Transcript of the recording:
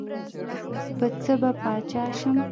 پۀ څۀ به باچا شم ـ